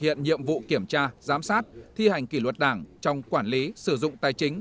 hiện nhiệm vụ kiểm tra giám sát thi hành kỷ luật đảng trong quản lý sử dụng tài chính